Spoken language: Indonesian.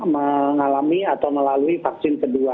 mengalami atau melalui vaksin kedua